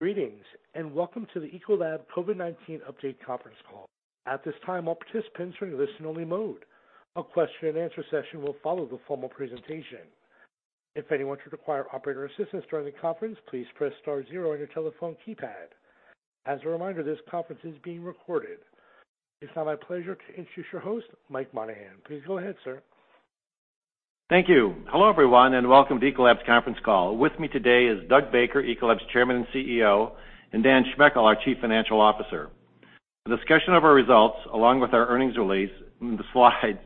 Greetings, welcome to the Ecolab COVID-19 Update Conference Call. At this time, all participants are in listen only mode. A question and answer session will follow the formal presentation. If anyone should require operator assistance during the conference, please press star zero on your telephone keypad. As a reminder, this conference is being recorded. It's now my pleasure to introduce your host, Mike Monahan. Please go ahead, sir. Thank you. Hello, everyone, and welcome to Ecolab's conference call. With me today is Doug Baker, Ecolab's Chairman and CEO, and Dan Schmechel, our Chief Financial Officer. The discussion of our results, along with our earnings release and the slides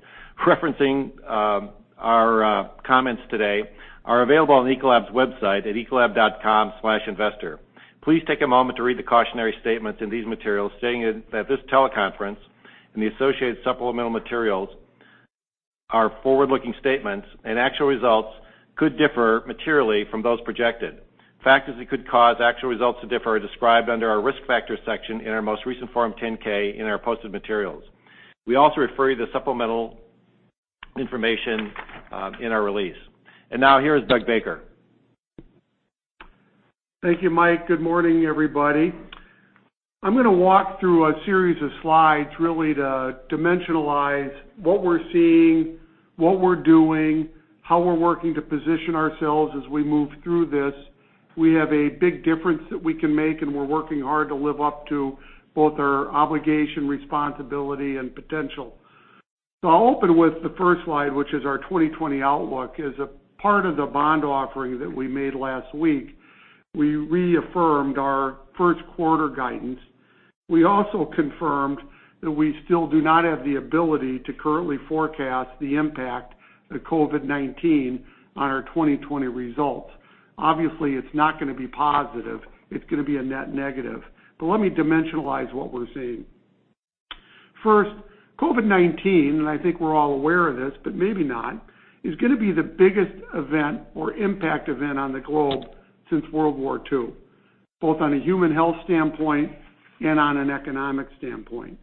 referencing our comments today, are available on Ecolab's website at investor.ecolab.com. Please take a moment to read the cautionary statements in these materials stating that this teleconference and the associated supplemental materials are forward-looking statements, and actual results could differ materially from those projected. Factors that could cause actual results to differ are described under our Risk Factors section in our most recent Form 10-K in our posted materials. We also refer you to supplemental information in our release. Now here is Doug Baker. Thank you, Mike. Good morning, everybody. I'm going to walk through a series of slides really to dimensionalize what we're seeing, what we're doing, how we're working to position ourselves as we move through this. We have a big difference that we can make, and we're working hard to live up to both our obligation, responsibility, and potential. I'll open with the first slide, which is our 2020 outlook. As a part of the bond offering that we made last week, we reaffirmed our first quarter guidance. We also confirmed that we still do not have the ability to currently forecast the impact of COVID-19 on our 2020 results. Obviously, it's not going to be positive. It's going to be a net negative. Let me dimensionalize what we're seeing. COVID-19, and I think we're all aware of this, but maybe not, is going to be the biggest event or impact event on the globe since World War II, both on a human health standpoint and on an economic standpoint.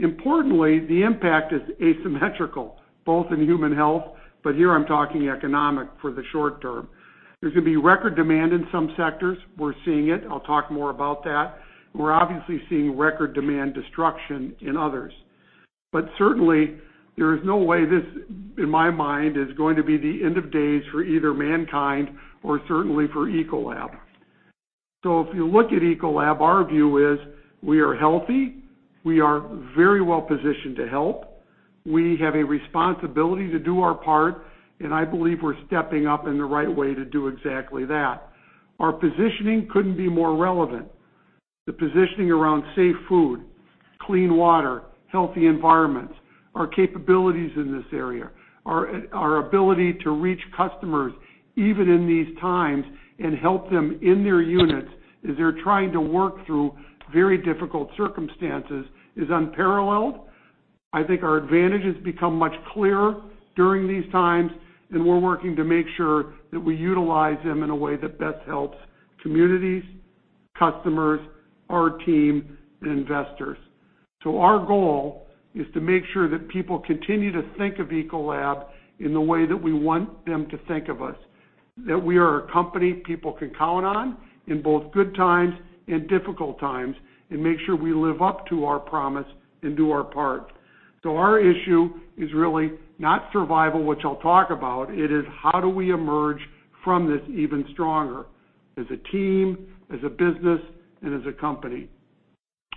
Importantly, the impact is asymmetrical, both in human health, but here I'm talking economic for the short term. There's going to be record demand in some sectors. We're seeing it. I'll talk more about that. We're obviously seeing record demand destruction in others. Certainly, there is no way this, in my mind, is going to be the end of days for either mankind or certainly for Ecolab. If you look at Ecolab, our view is we are healthy, we are very well-positioned to help. We have a responsibility to do our part, and I believe we're stepping up in the right way to do exactly that. Our positioning couldn't be more relevant. The positioning around safe food, clean water, healthy environments, our capabilities in this area, our ability to reach customers, even in these times, and help them in their units as they're trying to work through very difficult circumstances, is unparalleled. I think our advantages become much clearer during these times, and we're working to make sure that we utilize them in a way that best helps communities, customers, our team, and investors. Our goal is to make sure that people continue to think of Ecolab in the way that we want them to think of us, that we are a company people can count on in both good times and difficult times, and make sure we live up to our promise and do our part. Our issue is really not survival, which I'll talk about. It is how do we emerge from this even stronger as a team, as a business, and as a company?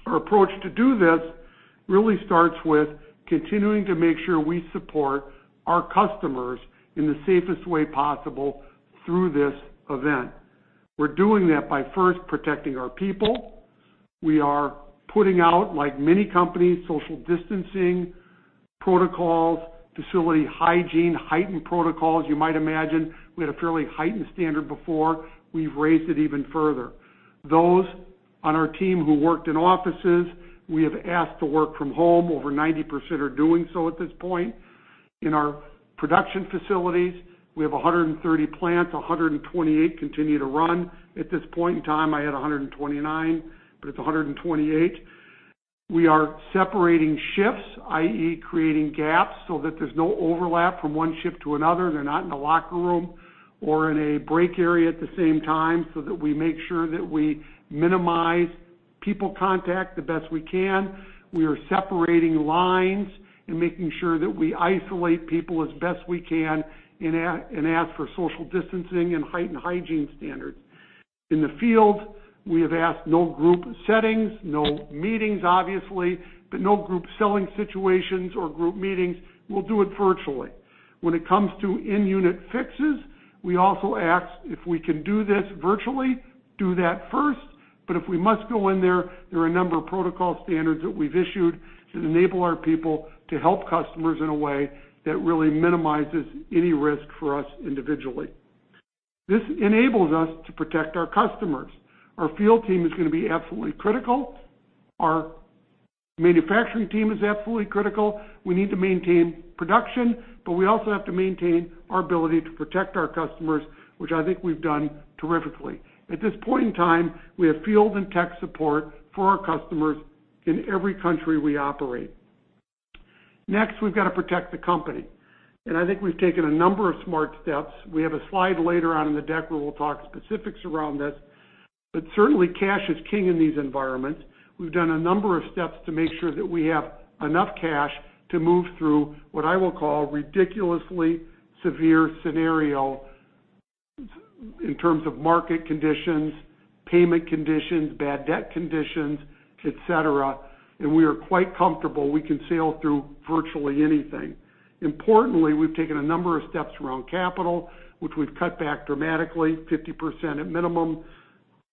Our approach to do this really starts with continuing to make sure we support our customers in the safest way possible through this event. We're doing that by first protecting our people. We are putting out, like many companies, social distancing protocols, facility hygiene, heightened protocols. You might imagine we had a fairly heightened standard before. We've raised it even further. Those on our team who worked in offices, we have asked to work from home. Over 90% are doing so at this point. In our production facilities, we have 130 plants, 128 continue to run. At this point in time, I had 129, but it's 128. We are separating shifts, i.e. creating gaps so that there's no overlap from one shift to another. They're not in a locker room or in a break area at the same time so that we make sure that we minimize people contact the best we can. We are separating lines and making sure that we isolate people as best we can and ask for social distancing and heightened hygiene standards. In the field, we have asked no group settings, no meetings, obviously, but no group selling situations or group meetings. We'll do it virtually. When it comes to in-unit fixes, we also ask if we can do this virtually, do that first. If we must go in there are a number of protocol standards that we've issued that enable our people to help customers in a way that really minimizes any risk for us individually. This enables us to protect our customers. Our field team is going to be absolutely critical. Our manufacturing team is absolutely critical. We need to maintain production, but we also have to maintain our ability to protect our customers, which I think we've done terrifically. At this point in time, we have field and tech support for our customers in every country we operate. Next, we've got to protect the company, and I think we've taken a number of smart steps. We have a slide later on in the deck where we'll talk specifics around this, but certainly cash is king in these environments. We've done a number of steps to make sure that we have enough cash to move through what I will call ridiculously severe scenario in terms of market conditions, payment conditions, bad debt conditions, et cetera, and we are quite comfortable we can sail through virtually anything. We've taken a number of steps around capital, which we've cut back dramatically, 50% at minimum.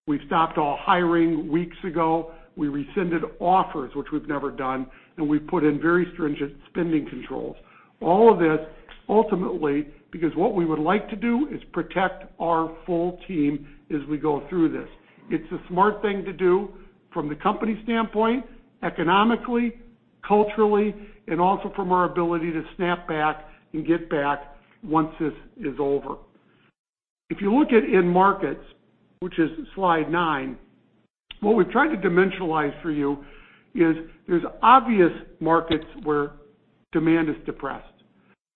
We've stopped all hiring weeks ago. We rescinded offers, which we've never done, and we put in very stringent spending controls. All of this, ultimately, because what we would like to do is protect our full team as we go through this. It's a smart thing to do from the company standpoint, economically, culturally, and also from our ability to snap back and get back once this is over. If you look at end markets, which is slide nine, what we've tried to dimensionalize for you is there's obvious markets where demand is depressed.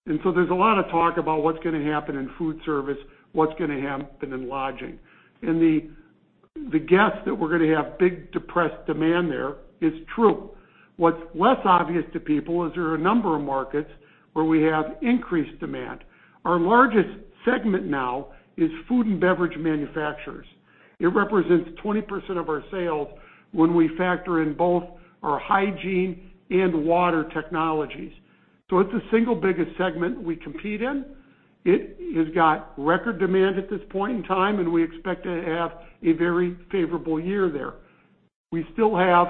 There's a lot of talk about what's going to happen in food service, what's going to happen in lodging. The guess that we're going to have big depressed demand there is true. What's less obvious to people is there are a number of markets where we have increased demand. Our largest segment now is food and beverage manufacturers. It represents 20% of our sales when we factor in both our hygiene and water technologies. It's the single biggest segment we compete in. It has got record demand at this point in time, and we expect to have a very favorable year there. We still have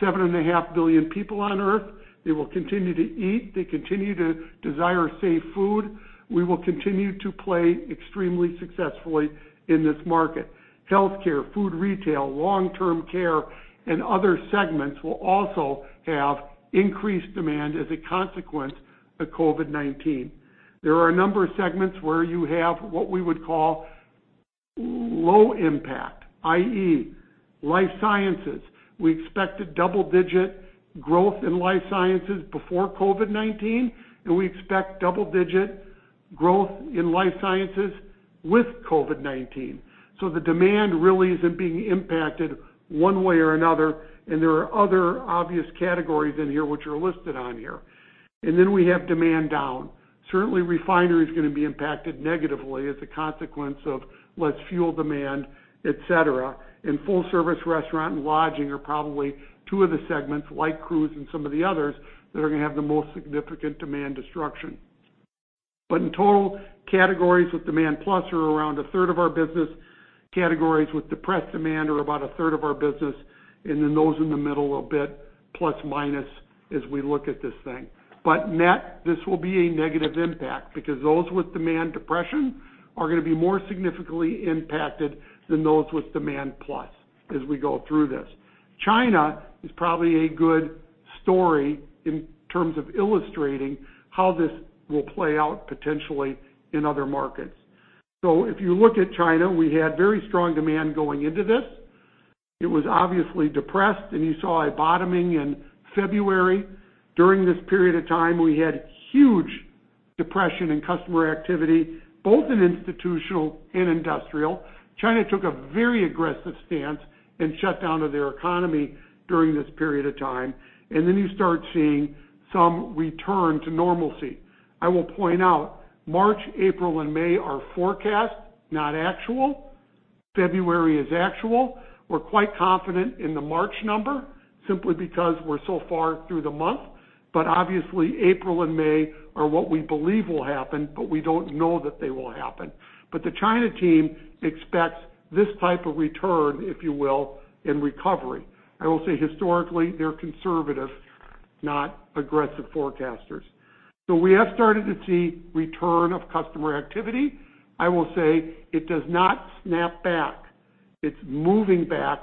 7.5 billion people on Earth. They will continue to eat. They continue to desire safe food. We will continue to play extremely successfully in this market. Healthcare, food retail, long-term care, and other segments will also have increased demand as a consequence of COVID-19. There are a number of segments where you have what we would call low impact, i.e., life sciences. We expected double-digit growth in life sciences before COVID-19, and we expect double-digit growth in life sciences with COVID-19. The demand really isn't being impacted one way or another. There are other obvious categories in here which are listed on here. We have demand down. Certainly, refinery is going to be impacted negatively as a consequence of less fuel demand, et cetera. Full service restaurant and lodging are probably two of the segments, like cruise and some of the others, that are going to have the most significant demand destruction. In total, categories with demand plus are around a third of our business. Categories with depressed demand are about a third of our business. Those in the middle a bit, plus minus as we look at this thing. Net, this will be a negative impact because those with demand depression are going to be more significantly impacted than those with demand plus as we go through this. China is probably a good story in terms of illustrating how this will play out potentially in other markets. If you look at China, we had very strong demand going into this. It was obviously depressed, and you saw a bottoming in February. During this period of time, we had huge depression in customer activity, both in institutional and industrial. China took a very aggressive stance and shut down their economy during this period of time. Then you start seeing some return to normalcy. I will point out, March, April, and May are forecast, not actual. February is actual. We're quite confident in the March number simply because we're so far through the month. Obviously, April and May are what we believe will happen, but we don't know that they will happen. The China team expects this type of return, if you will, in recovery. I will say historically, they're conservative, not aggressive forecasters. We have started to see return of customer activity. I will say it does not snap back. It's moving back,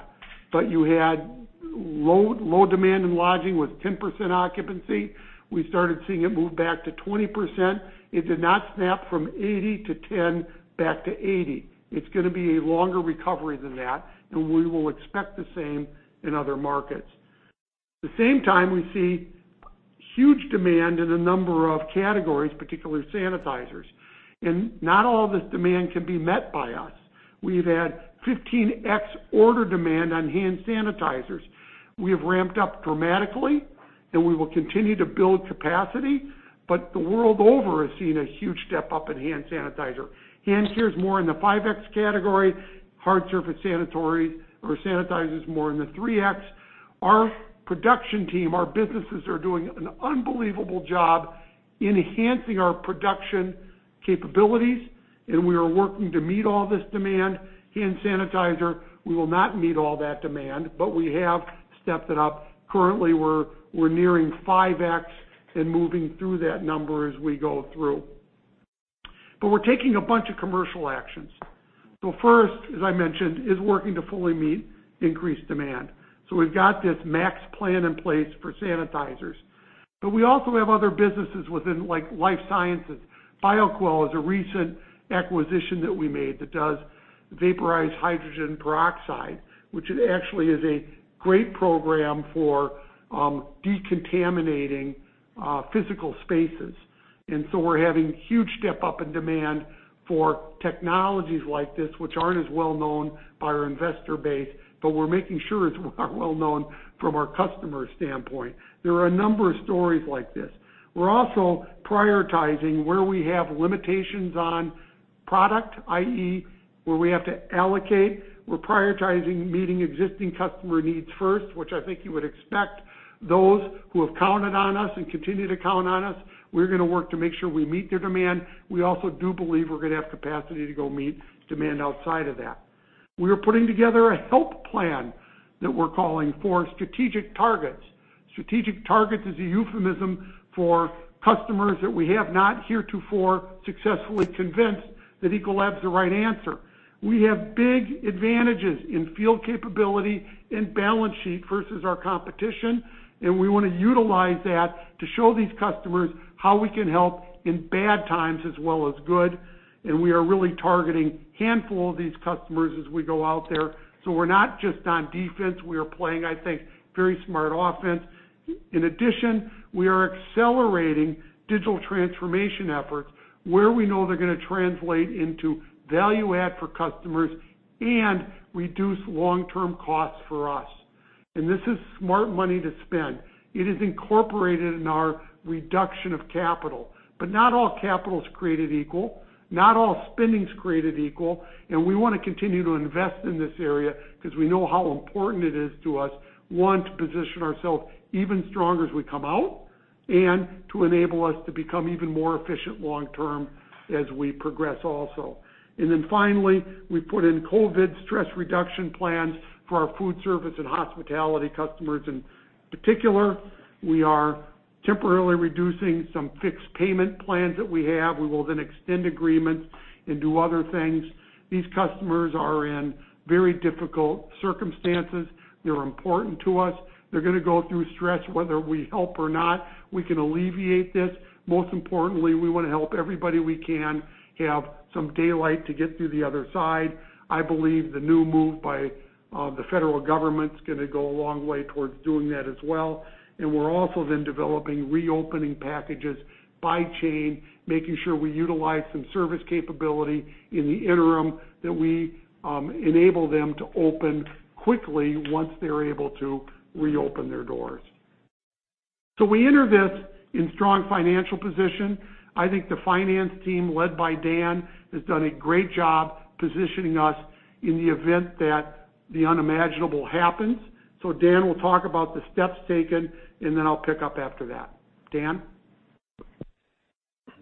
but you had low demand in lodging with 10% occupancy. We started seeing it move back to 20%. It did not snap from 80 to 10 back to 80. It's going to be a longer recovery than that, and we will expect the same in other markets. At the same time, we see huge demand in a number of categories, particularly sanitizers. Not all of this demand can be met by us. We've had 15x order demand on hand sanitizers. We have ramped up dramatically, and we will continue to build capacity, but the world over has seen a huge step up in hand sanitizer. Hand care is more in the 5x category. Hard surface sanitizers more in the 3x. Our production team, our businesses are doing an unbelievable job enhancing our production capabilities, and we are working to meet all this demand. Hand sanitizer, we will not meet all that demand, but we have stepped it up. Currently, we're nearing 5x and moving through that number as we go through. We're taking a bunch of commercial actions. First, as I mentioned, is working to fully meet increased demand. We've got this max plan in place for sanitizers. We also have other businesses within like life sciences. Bioquell is a recent acquisition that we made that does vaporized hydrogen peroxide, which actually is a great program for decontaminating physical spaces. We're having huge step up in demand for technologies like this, which aren't as well-known by our investor base, but we're making sure it's well-known from our customer standpoint. There are a number of stories like this. We're also prioritizing where we have limitations on product, i.e., where we have to allocate. We're prioritizing meeting existing customer needs first, which I think you would expect. Those who have counted on us and continue to count on us, we're going to work to make sure we meet their demand. We also do believe we're going to have capacity to go meet demand outside of that. We are putting together a help plan that we're calling four strategic targets. Strategic targets is a euphemism for customers that we have not heretofore successfully convinced that Ecolab's the right answer. We have big advantages in field capability and balance sheet versus our competition, we want to utilize that to show these customers how we can help in bad times as well as good. We are really targeting handful of these customers as we go out there. We're not just on defense, we are playing, I think, very smart offense. In addition, we are accelerating digital transformation efforts where we know they're going to translate into value add for customers and reduce long-term costs for us. This is smart money to spend. It is incorporated in our reduction of capital, but not all capital is created equal, not all spending is created equal, and we want to continue to invest in this area because we know how important it is to us. One, to position ourselves even stronger as we come out and to enable us to become even more efficient long term as we progress also. Finally, we put in COVID stress reduction plans for our food service and hospitality customers. In particular, we are temporarily reducing some fixed payment plans that we have. We will then extend agreements and do other things. These customers are in very difficult circumstances. They're important to us. They're going to go through stress whether we help or not. We can alleviate this. Most importantly, we want to help everybody we can have some daylight to get through the other side. I believe the new move by the federal government's going to go a long way towards doing that as well. We're also then developing reopening packages by chain, making sure we utilize some service capability in the interim that we enable them to open quickly once they're able to reopen their doors. We enter this in strong financial position. I think the finance team, led by Dan, has done a great job positioning us in the event that the unimaginable happens. Dan will talk about the steps taken, and then I'll pick up after that. Dan?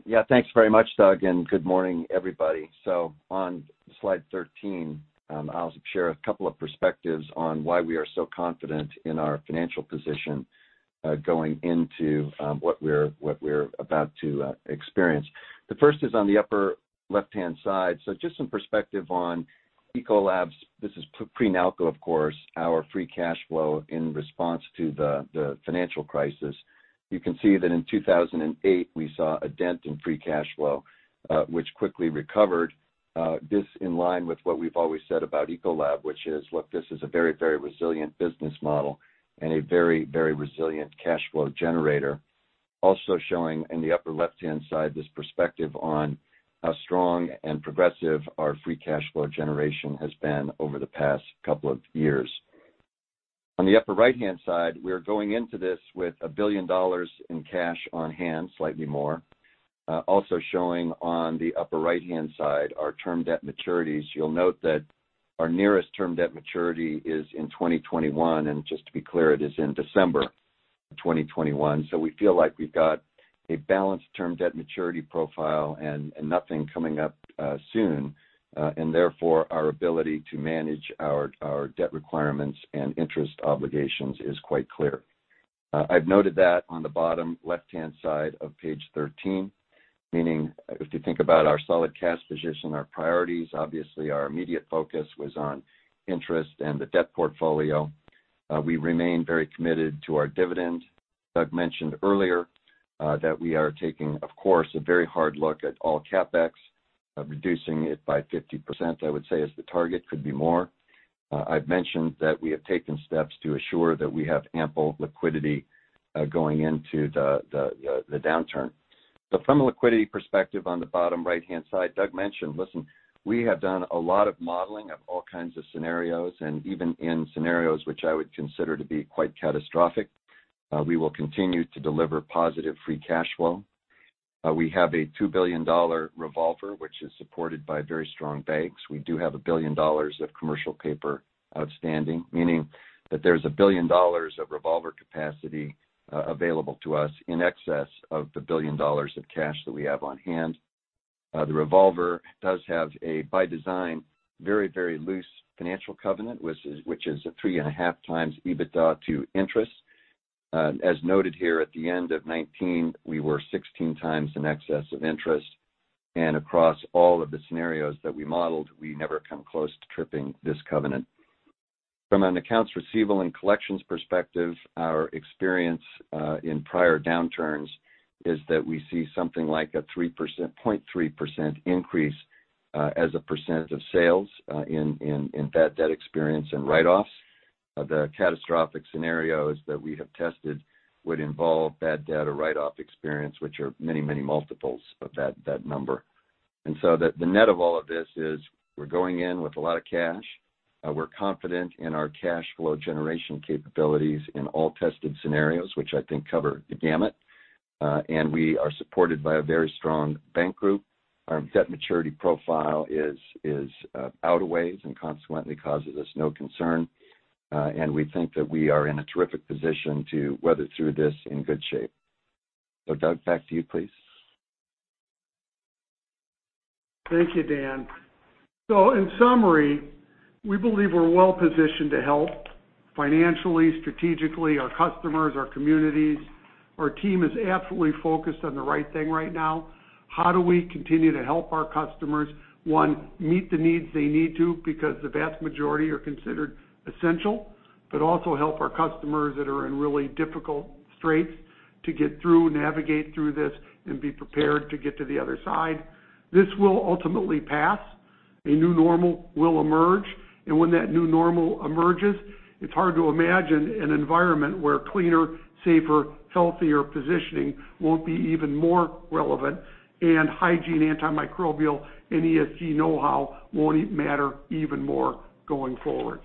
Yeah, thanks very much, Doug, and good morning, everybody. On slide 13, I'll share a couple of perspectives on why we are so confident in our financial position going into what we're about to experience. The first is on the upper left-hand side. Just some perspective on Ecolab's, this is pre- Nalco, of course, our free cash flow in response to the financial crisis. You can see that in 2008, we saw a dent in free cash flow, which quickly recovered. This in line with what we've always said about Ecolab, which is, look, this is a very resilient business model and a very resilient cash flow generator. Also showing in the upper left-hand side, this perspective on how strong and progressive our free cash flow generation has been over the past couple of years. On the upper right-hand side, we are going into this with $1 billion in cash on hand, slightly more. Also showing on the upper right-hand side, our term debt maturities. You'll note that our nearest term debt maturity is in 2021. Just to be clear, it is in December 2021. We feel like we've got a balanced term debt maturity profile and nothing coming up soon. Therefore, our ability to manage our debt requirements and interest obligations is quite clear. I've noted that on the bottom left-hand side of page 13, meaning if you think about our solid cash position, our priorities, obviously our immediate focus was on interest and the debt portfolio. We remain very committed to our dividend. Doug mentioned earlier, that we are taking, of course, a very hard look at all CapEx, reducing it by 50%, I would say is the target, could be more. I've mentioned that we have taken steps to assure that we have ample liquidity going into the downturn. From a liquidity perspective on the bottom right-hand side, Doug mentioned, listen, we have done a lot of modeling of all kinds of scenarios, and even in scenarios which I would consider to be quite catastrophic, we will continue to deliver positive free cash flow. We have a $2 billion revolver, which is supported by very strong banks. We do have $1 billion of commercial paper outstanding, meaning that there's $1 billion of revolver capacity available to us in excess of the $1 billion of cash that we have on hand. The revolver does have a, by design, very loose financial covenant, which is a 3.5x EBITDA to interest. As noted here at the end of 2019, we were 16 times in excess of interest. Across all of the scenarios that we modeled, we never come close to tripping this covenant. From an accounts receivable and collections perspective, our experience in prior downturns is that we see something like a 0.3% increase as a percent of sales in bad debt experience and write-offs. The catastrophic scenarios that we have tested would involve bad debt or write-off experience, which are many multiples of that number. The net of all of this is we're going in with a lot of cash. We're confident in our cash flow generation capabilities in all tested scenarios, which I think cover the gamut. We are supported by a very strong bank group. Our debt maturity profile is out of ways and consequently causes us no concern. We think that we are in a terrific position to weather through this in good shape. Doug, back to you, please. Thank you, Dan. In summary, we believe we're well-positioned to help financially, strategically, our customers, our communities. Our team is absolutely focused on the right thing right now. How do we continue to help our customers, one, meet the needs they need to, because the vast majority are considered essential, but also help our customers that are in really difficult straits to get through, navigate through this, and be prepared to get to the other side. This will ultimately pass. A new normal will emerge. When that new normal emerges, it's hard to imagine an environment where cleaner, safer, healthier positioning won't be even more relevant, and hygiene, antimicrobial, and ESG know-how won't matter even more going forward.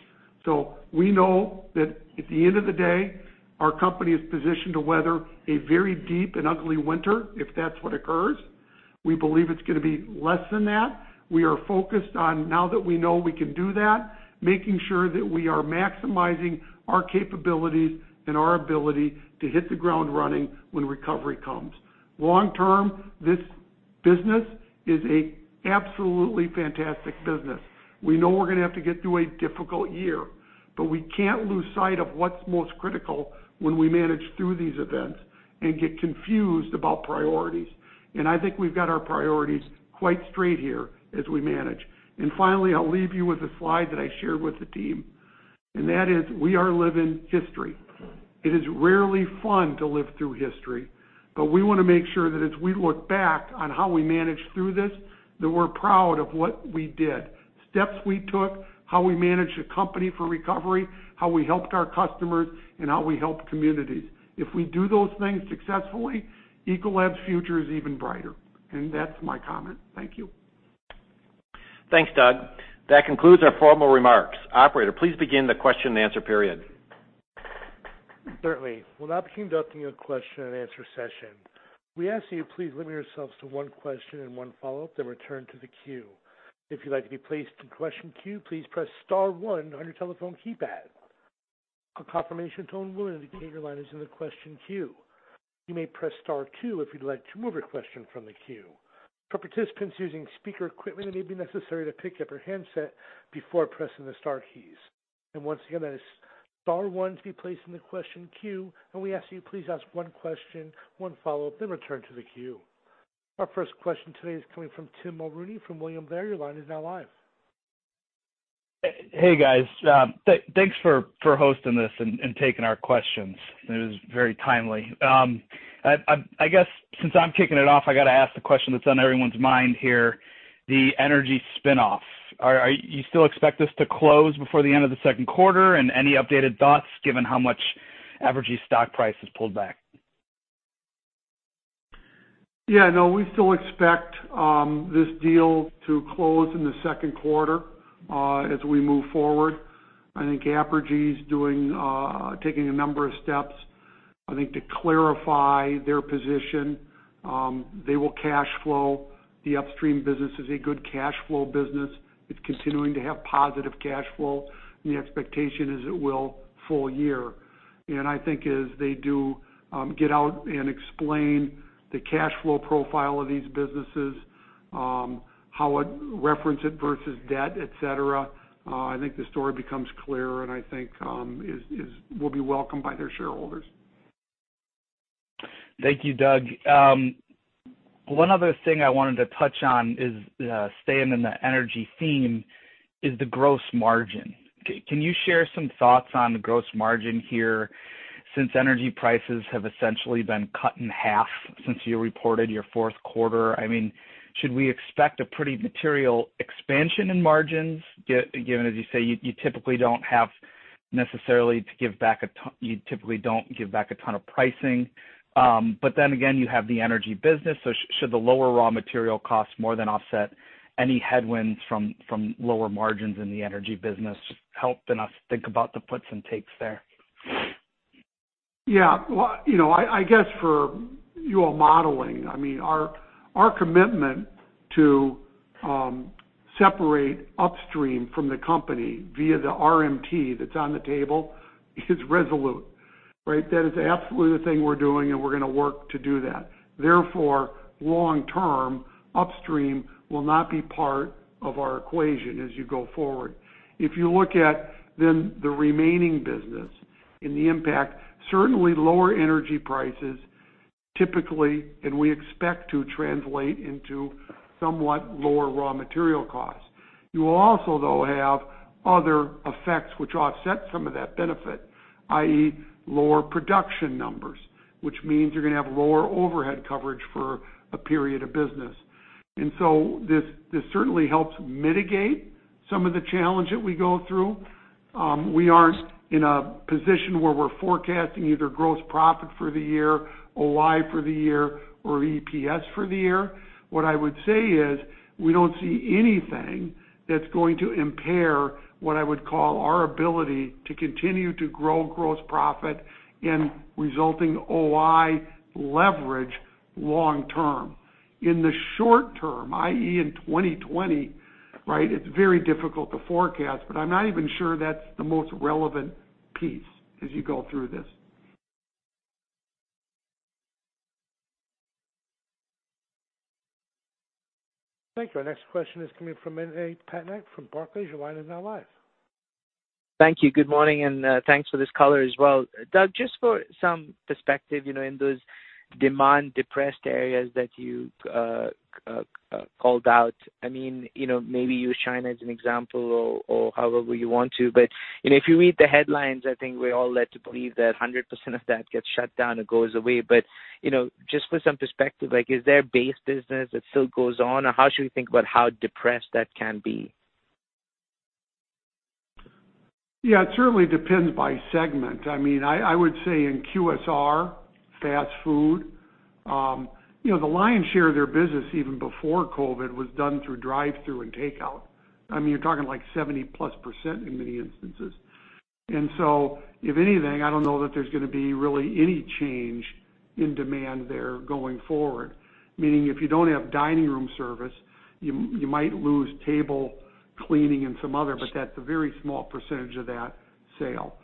We know that at the end of the day, our company is positioned to weather a very deep and ugly winter if that's what occurs. We believe it's going to be less than that. We are focused on now that we know we can do that, making sure that we are maximizing our capabilities and our ability to hit the ground running when recovery comes. Long-term, this business is an absolutely fantastic business. We know we're going to have to get through a difficult year, but we can't lose sight of what's most critical when we manage through these events and get confused about priorities. I think we've got our priorities quite straight here as we manage. Finally, I'll leave you with a slide that I shared with the team, and that is we are living history. It is rarely fun to live through history, but we want to make sure that as we look back on how we managed through this, that we're proud of what we did, steps we took, how we managed the company for recovery, how we helped our customers, and how we helped communities. If we do those things successfully, Ecolab's future is even brighter. That's my comment. Thank you. Thanks, Doug. That concludes our formal remarks. Operator, please begin the question and answer period. Certainly. We'll now be conducting a question and answer session. We ask that you please limit yourselves to one question and one follow-up, then return to the queue. If you'd like to be placed in question queue, please press star one on your telephone keypad. A confirmation tone will indicate your line is in the question queue. You may press star two if you'd like to remove your question from the queue. For participants using speaker equipment, it may be necessary to pick up your handset before pressing the star keys. Once again, that is star one to be placed in the question queue, and we ask you please ask one question, one follow-up, then return to the queue. Our first question today is coming from Tim Mulrooney from William Blair. Your line is now live. Hey, guys. Thanks for hosting this and taking our questions. It was very timely. I guess since I'm kicking it off, I got to ask the question that's on everyone's mind here, the energy spin-off. You still expect this to close before the end of the second quarter? Any updated thoughts given how much Apergy stock price has pulled back? Yeah, no, we still expect this deal to close in the second quarter as we move forward. I think Apergy is taking a number of steps, I think, to clarify their position. They will cash flow. The upstream business is a good cash flow business. It's continuing to have positive cash flow, and the expectation is it will full year. I think as they do get out and explain the cash flow profile of these businesses, how it reference it versus debt, et cetera, I think the story becomes clearer and I think will be welcomed by their shareholders. Thank you, Doug. One other thing I wanted to touch on is staying in the energy theme is the gross margin. Can you share some thoughts on the gross margin here since energy prices have essentially been cut in half since you reported your fourth quarter? Should we expect a pretty material expansion in margins, given, as you say, you typically don't give back a ton of pricing. Again, you have the energy business. Should the lower raw material cost more than offset any headwinds from lower margins in the energy business? Just helping us think about the puts and takes there. Yeah. I guess for your modeling, our commitment to separate upstream from the company via the RMT that's on the table is resolute, right? That is absolutely the thing we're doing, and we're going to work to do that. Long-term, upstream will not be part of our equation as you go forward. If you look at the remaining business and the impact, certainly lower energy prices. Typically, we expect to translate into somewhat lower raw material costs. You will also though have other effects which offset some of that benefit, i.e., lower production numbers, which means you're going to have lower overhead coverage for a period of business. This certainly helps mitigate some of the challenge that we go through. We aren't in a position where we're forecasting either gross profit for the year, OI for the year, or EPS for the year. What I would say is, we don't see anything that's going to impair what I would call our ability to continue to grow gross profit and resulting OI leverage long term. In the short term, i.e., in 2020, it's very difficult to forecast, but I'm not even sure that's the most relevant piece as you go through this. Thank you. Our next question is coming from Manav Patnaik from Barclays. Your line is now live. Thank you. Good morning, thanks for this color as well. Doug, just for some perspective, in those demand-depressed areas that you called out, maybe use China as an example or however you want to. If you read the headlines, I think we're all led to believe that 100% of that gets shut down and goes away. Just for some perspective, is there a base business that still goes on, or how should we think about how depressed that can be? Yeah, it certainly depends by segment. I would say in QSR, fast food, the lion's share of their business even before COVID-19 was done through drive-through and takeout. You're talking like 70%+ in many instances. If anything, I don't know that there's going to be really any change in demand there going forward. Meaning if you don't have dining room service, you might lose table cleaning and some other, but that's a very small percentage of that sale.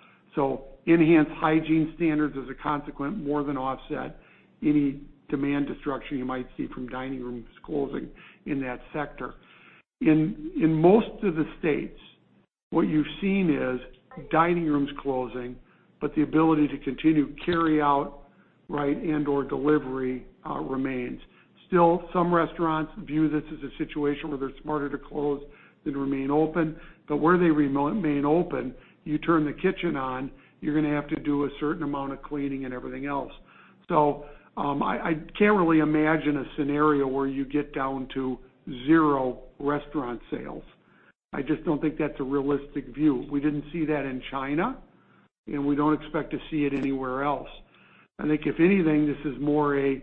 Enhanced hygiene standards as a consequent more than offset any demand destruction you might see from dining rooms closing in that sector. In most of the states, what you've seen is dining rooms closing, but the ability to continue carryout and/or delivery remains. Still, some restaurants view this as a situation where they're smarter to close than remain open. Where they remain open, you turn the kitchen on, you're going to have to do a certain amount of cleaning and everything else. I can't really imagine a scenario where you get down to zero restaurant sales. I just don't think that's a realistic view. We didn't see that in China, and we don't expect to see it anywhere else. I think if anything, this is more a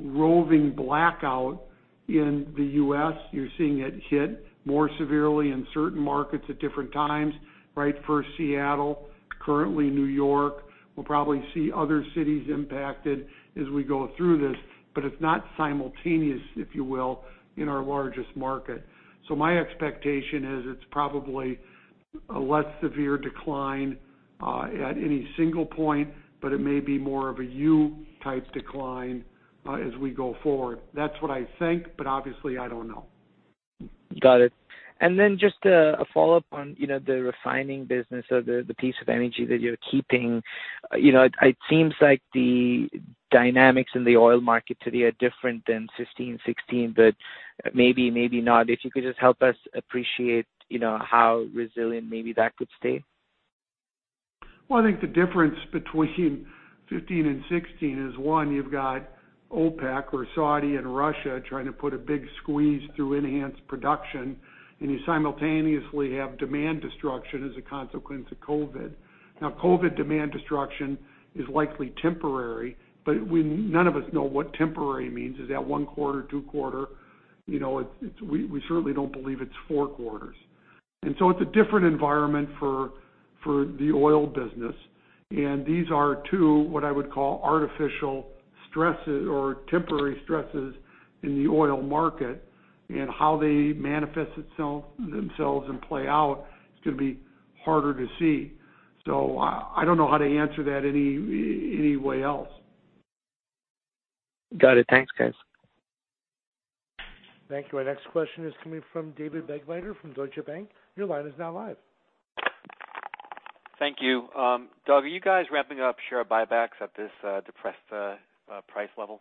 roving blackout in the U.S. You're seeing it hit more severely in certain markets at different times. First, Seattle, currently New York. We'll probably see other cities impacted as we go through this, but it's not simultaneous, if you will, in our largest market. My expectation is it's probably a less severe decline at any single point, but it may be more of a U type decline as we go forward. That's what I think, but obviously I don't know. Got it. Just a follow-up on the refining business of the piece of energy that you're keeping. It seems like the dynamics in the oil market today are different than 2015, 2016, but maybe not. If you could just help us appreciate how resilient maybe that could stay. I think the difference between 2015 and 2016 is one, you've got OPEC or Saudi and Russia trying to put a big squeeze through enhanced production, and you simultaneously have demand destruction as a consequence of COVID. COVID demand destruction is likely temporary, but none of us know what temporary means. Is that one quarter, two quarter? We certainly don't believe it's four quarters. It's a different environment for the oil business. These are two, what I would call artificial stresses or temporary stresses in the oil market, and how they manifest themselves and play out is going to be harder to see. I don't know how to answer that any way else. Got it. Thanks, guys. Thank you. Our next question is coming from David Begleiter from Deutsche Bank. Your line is now live. Thank you. Doug, are you guys ramping up share buybacks at this depressed price level?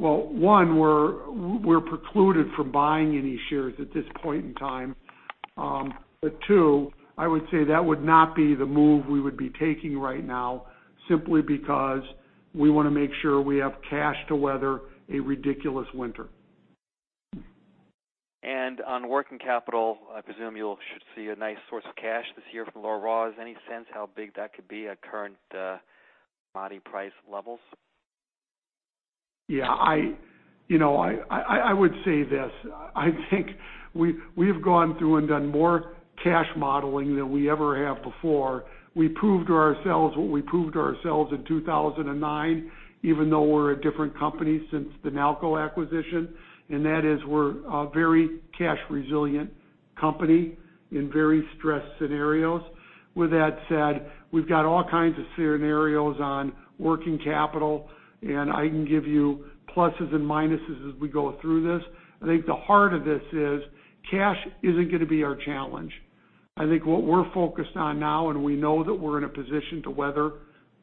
Well, one, we're precluded from buying any shares at this point in time. Two, I would say that would not be the move we would be taking right now, simply because we want to make sure we have cash to weather a ridiculous winter. On working capital, I presume you should see a nice source of cash this year from lower raws. Any sense how big that could be at current commodity price levels? Yeah. I would say this, I think we've gone through and done more cash modeling than we ever have before. We proved to ourselves what we proved to ourselves in 2009, even though we're a different company since the Nalco acquisition, and that is we're a very cash resilient company in very stressed scenarios. With that said, we've got all kinds of scenarios on working capital, and I can give you pluses and minuses as we go through this. I think the heart of this is cash isn't going to be our challenge. I think what we're focused on now, and we know that we're in a position to weather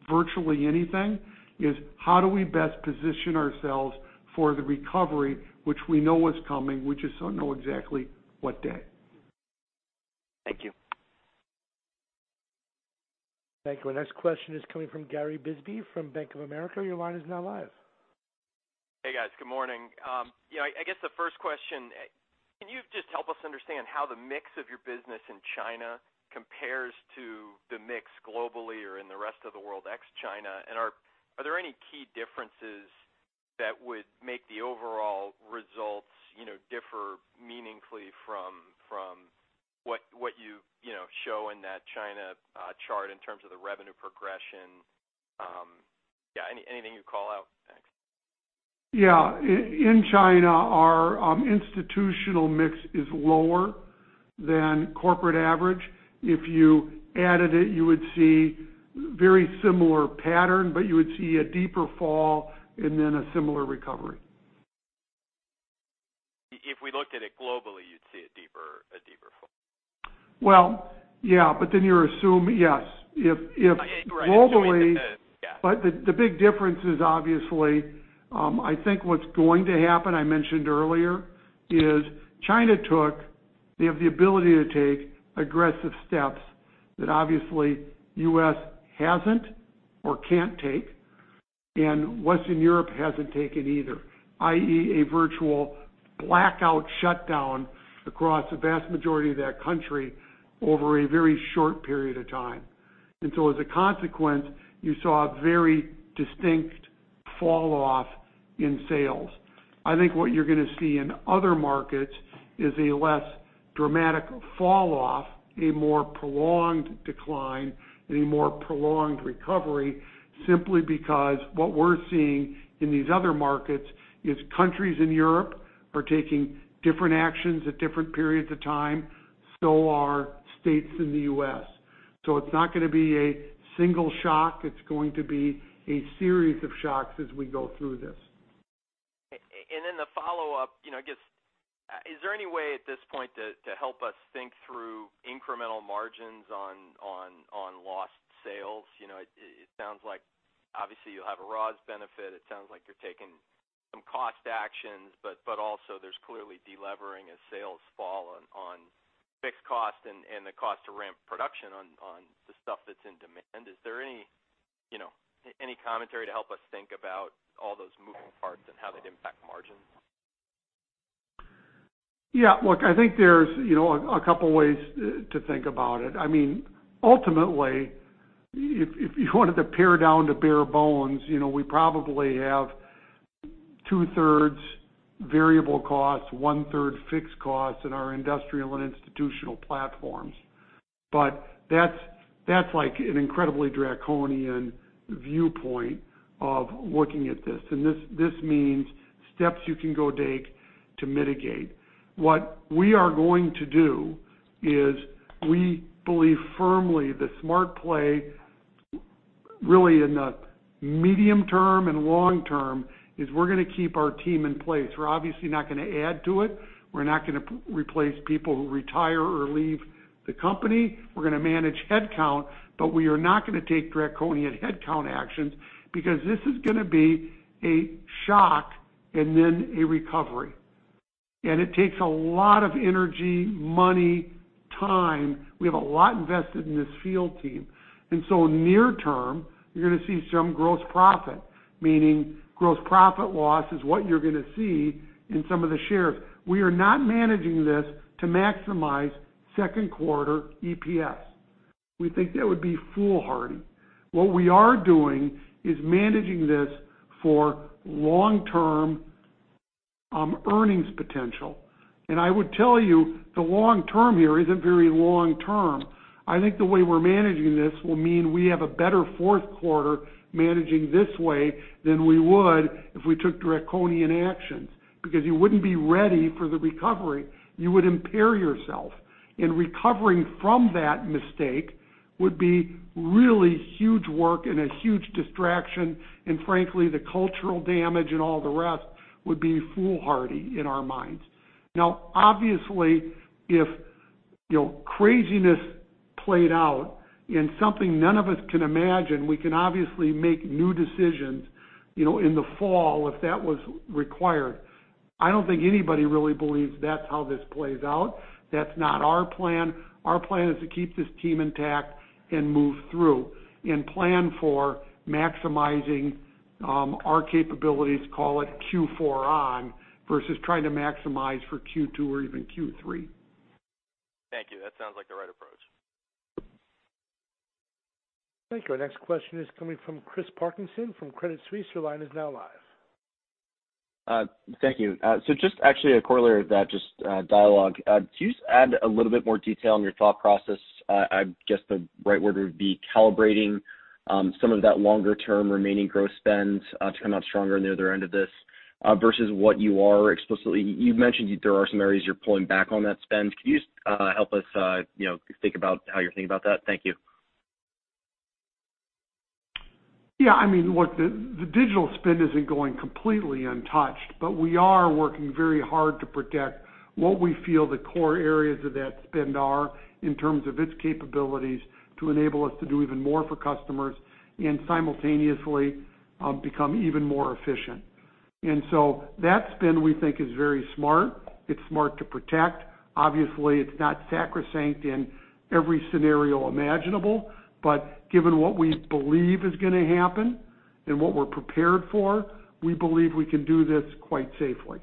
virtually anything, is how do we best position ourselves for the recovery, which we know is coming, we just don't know exactly what day. Thank you. Thank you. Our next question is coming from Gary Bisbee from Bank of America. Your line is now live. Hey, guys. Good morning. I guess the first question, can you just help us understand how the mix of your business in China compares to the mix globally or in the rest of the world ex-China? Are there any key differences that would make the overall results differ meaningfully from what you show in that China chart in terms of the revenue progression? Yeah, anything you'd call out? Thanks. Yeah. In China, our institutional mix is lower than corporate average. If you added it, you would see very similar pattern, but you would see a deeper fall and then a similar recovery. If we looked at it globally, you'd see a deeper fall. Well, yeah, you're assuming, yes. Right. Globally,- Yeah. The big difference is obviously, I think what's going to happen, I mentioned earlier, is China took, they have the ability to take aggressive steps that obviously U.S. hasn't or can't take, and Western Europe hasn't taken either, i.e., a virtual blackout shutdown across the vast majority of that country over a very short period of time. As a consequence, you saw a very distinct fall-off in sales. I think what you're going to see in other markets is a less dramatic fall-off, a more prolonged decline, and a more prolonged recovery, simply because what we're seeing in these other markets is countries in Europe are taking different actions at different periods of time, and so are states in the U.S. It's not going to be a single shock. It's going to be a series of shocks as we go through this. The follow-up, just is there any way at this point to help us think through incremental margins on lost sales? It sounds like obviously you have a raws benefit. It sounds like you're taking some cost actions, but also there's clearly de-levering as sales fall on fixed cost and the cost to ramp production on the stuff that's in demand. Is there any commentary to help us think about all those moving parts and how they'd impact margins? Yeah, look, I think there's a couple ways to think about it. Ultimately, if you wanted to pare down to bare bones, we probably have 2/3 variable costs, one-third fixed costs in our industrial and institutional platforms. That's an incredibly draconian viewpoint of looking at this. This means steps you can go take to mitigate. What we are going to do is we believe firmly the smart play, really in the medium term and long term, is we're going to keep our team in place. We're obviously not going to add to it. We're not going to replace people who retire or leave the company. We're going to manage headcount, but we are not going to take draconian headcount actions because this is going to be a shock and then a recovery. It takes a lot of energy, money, time. We have a lot invested in this field team. Near term, you're going to see some gross profit, meaning gross profit loss is what you're going to see in some of the shares. We are not managing this to maximize second quarter EPS. We think that would be foolhardy. What we are doing is managing this for long-term earnings potential. I would tell you the long term here isn't very long term. I think the way we're managing this will mean we have a better fourth quarter managing this way than we would if we took draconian actions, because you wouldn't be ready for the recovery. You would impair yourself, and recovering from that mistake would be really huge work and a huge distraction, and frankly, the cultural damage and all the rest would be foolhardy in our minds. Now, obviously, if craziness played out in something none of us can imagine, we can obviously make new decisions in the fall if that was required. I don't think anybody really believes that's how this plays out. That's not our plan. Our plan is to keep this team intact and move through and plan for maximizing our capabilities, call it Q4 on, versus trying to maximize for Q2 or even Q3. Thank you. That sounds like the right approach. Thank you. Our next question is coming from Chris Parkinson from Credit Suisse. Your line is now live. Thank you. Just actually a corollary of that just dialogue. Could you just add a little bit more detail on your thought process? I guess the right word would be calibrating some of that longer term remaining growth spend to come out stronger on the other end of this versus what you are. You've mentioned there are some areas you're pulling back on that spend. Could you help us think about how you're thinking about that? Thank you. Yeah. Look, the digital spend isn't going completely untouched, but we are working very hard to protect what we feel the core areas of that spend are in terms of its capabilities to enable us to do even more for customers and simultaneously become even more efficient. That spend, we think, is very smart. It's smart to protect. Obviously, it's not sacrosanct in every scenario imaginable, but given what we believe is going to happen and what we're prepared for, we believe we can do this quite safely.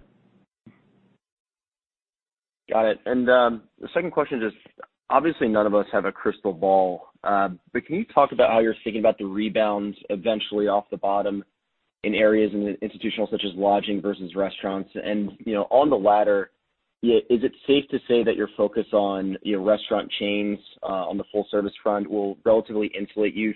Got it. The second question is just, obviously none of us have a crystal ball, but can you talk about how you're thinking about the rebounds eventually off the bottom in areas in institutional such as lodging versus restaurants? On the latter, is it safe to say that your focus on restaurant chains on the full service front will relatively insulate you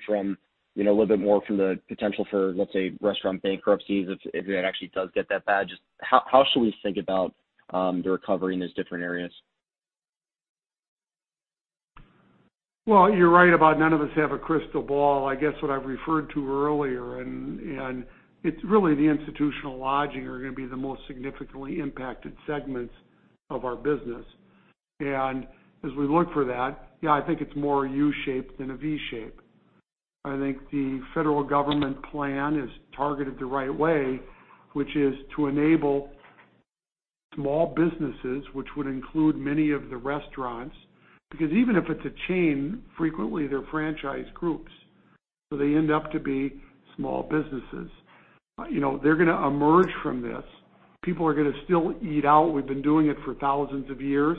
a little bit more from the potential for, let's say, restaurant bankruptcies if it actually does get that bad? Just how should we think about the recovery in those different areas? Well, you're right about none of us have a crystal ball. I guess what I referred to earlier, and it's really the institutional lodging are going to be the most significantly impacted segments of our business. As we look for that, yeah, I think it's more U-shaped than a V-shape. I think the federal government plan is targeted the right way, which is to enable small businesses, which would include many of the restaurants, because even if it's a chain, frequently they're franchise groups, so they end up to be small businesses. They're going to emerge from this. People are going to still eat out. We've been doing it for thousands of years.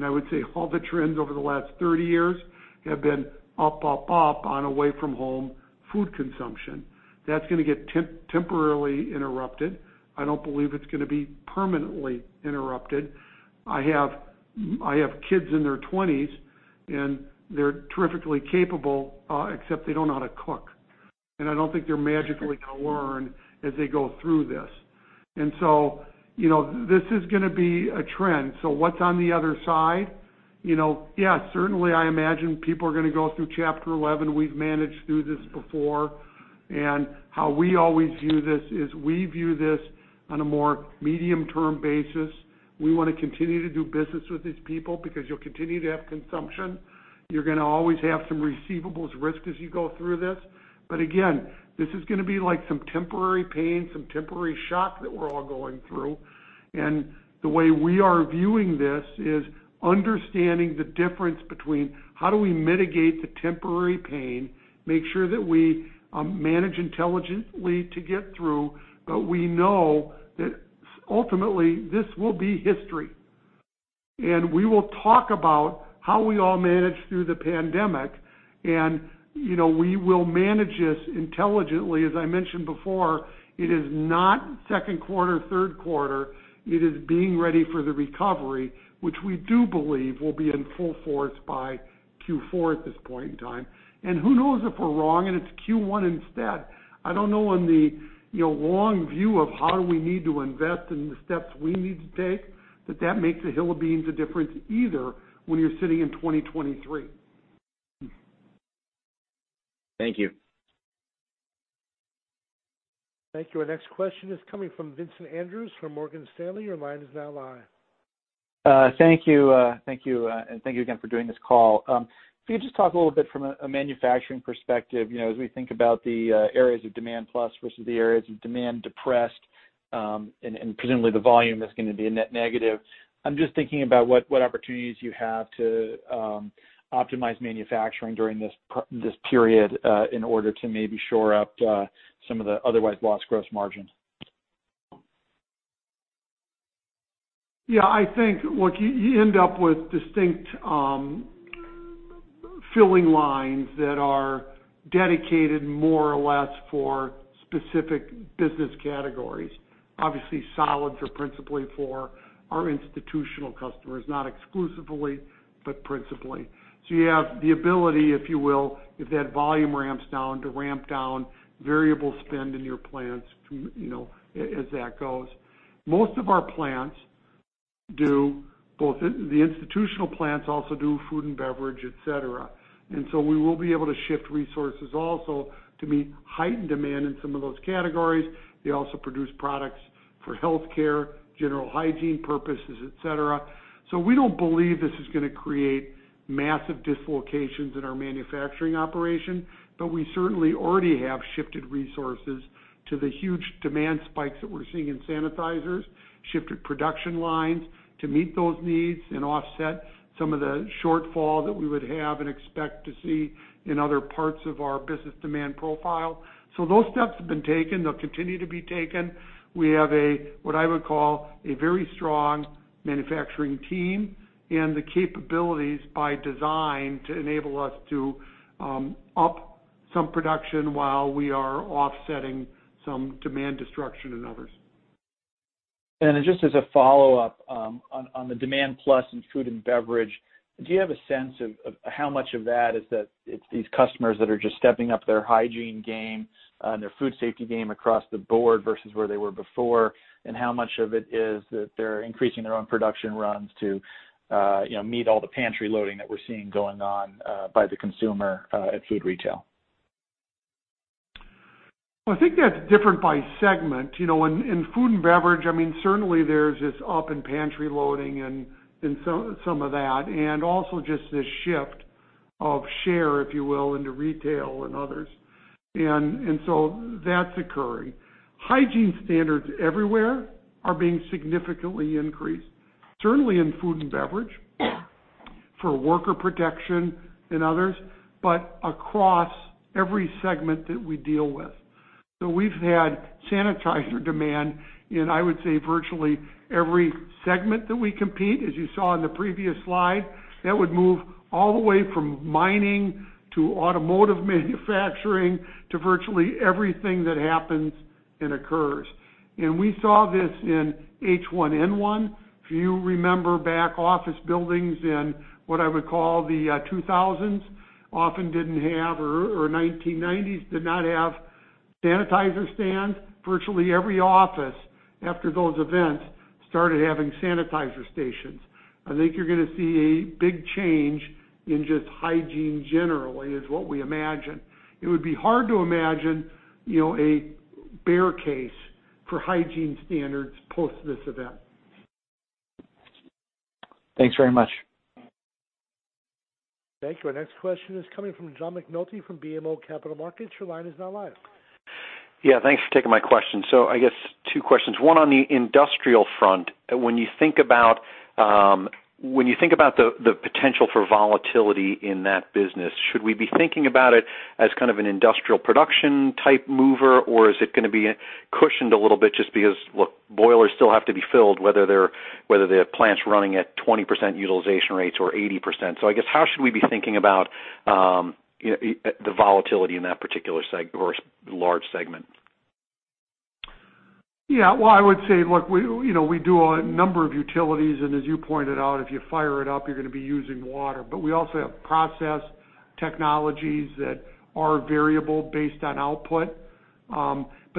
I would say all the trends over the last 30 years have been up, up on away-from-home food consumption. That's going to get temporarily interrupted. I don't believe it's going to be permanently interrupted. I have kids in their 20s, they're terrifically capable, except they don't know how to cook. I don't think they're magically going to learn as they go through this. This is going to be a trend. What's on the other side? Yes, certainly, I imagine people are going to go through chapter 11. We've managed through this before. How we always view this is we view this on a more medium-term basis. We want to continue to do business with these people because you'll continue to have consumption. You're going to always have some receivables risk as you go through this. Again, this is going to be some temporary pain, some temporary shock that we're all going through. The way we are viewing this is understanding the difference between how do we mitigate the temporary pain, make sure that we manage intelligently to get through. We know that ultimately this will be history. We will talk about how we all managed through the pandemic, and we will manage this intelligently. As I mentioned before, it is not second quarter, third quarter. It is being ready for the recovery, which we do believe will be in full force by Q4 at this point in time. Who knows if we're wrong and it's Q1 instead. I don't know in the long view of how we need to invest and the steps we need to take, that that makes a hill of beans of difference either when you're sitting in 2023. Thank you. Thank you. Our next question is coming from Vincent Andrews from Morgan Stanley. Your line is now live. Thank you. Thank you, and thank you again for doing this call. If you could just talk a little bit from a manufacturing perspective, as we think about the areas of demand plus versus the areas of demand depressed. Presumably the volume is going to be a net negative. I'm just thinking about what opportunities you have to optimize manufacturing during this period in order to maybe shore up some of the otherwise lost gross margin. Yeah, I think, look, you end up with distinct filling lines that are dedicated more or less for specific business categories. Obviously, solids are principally for our institutional customers. Not exclusively, but principally. You have the ability, if you will, if that volume ramps down, to ramp down variable spend in your plants as that goes. Most of our plants do both. The institutional plants also do food and beverage, et cetera. We will be able to shift resources also to meet heightened demand in some of those categories. They also produce products for healthcare, general hygiene purposes, et cetera. We don't believe this is going to create massive dislocations in our manufacturing operation, but we certainly already have shifted resources to the huge demand spikes that we're seeing in sanitizers, shifted production lines to meet those needs and offset some of the shortfall that we would have and expect to see in other parts of our business demand profile. Those steps have been taken. They'll continue to be taken. We have a, what I would call, a very strong manufacturing team and the capabilities by design to enable us to up some production while we are offsetting some demand destruction in others. Just as a follow-up on the demand plus in food and beverage, do you have a sense of how much of that is these customers that are just stepping up their hygiene game and their food safety game across the board versus where they were before, and how much of it is that they're increasing their own production runs to meet all the pantry loading that we're seeing going on by the consumer at food retail? Well, I think that's different by segment. In food and beverage, certainly, there's this up in pantry loading and some of that, and also just this shift of share, if you will, into retail and others. That's occurring. Hygiene standards everywhere are being significantly increased, certainly in food and beverage, for worker protection and others, but across every segment that we deal with. We've had sanitizer demand in, I would say, virtually every segment that we compete, as you saw in the previous slide. That would move all the way from mining to automotive manufacturing to virtually everything that happens and occurs. We saw this in H1N1. If you remember back office buildings in what I would call the 2000s often didn't have, or 1990s, did not have sanitizer stands. Virtually every office after those events started having sanitizer stations. I think you're going to see a big change in just hygiene generally, is what we imagine. It would be hard to imagine a bear case for hygiene standards post this event. Thanks very much. Thank you. Our next question is coming from John McNulty from BMO Capital Markets. Your line is now live. Yeah, thanks for taking my question. I guess two questions. One on the industrial front. When you think about the potential for volatility in that business, should we be thinking about it as kind of an industrial production type mover, or is it going to be cushioned a little bit just because, look, boilers still have to be filled, whether the plant's running at 20% utilization rates or 80%? I guess, how should we be thinking about the volatility in that particular large segment? Yeah. Well, I would say, look, we do a number of utilities, and as you pointed out, if you fire it up, you're going to be using water. We also have process technologies that are variable based on output.